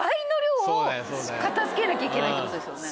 片付けなきゃいけないってことですよね。